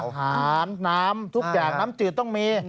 อาหารน้ำทุกอย่างน้ำจืดต้องมี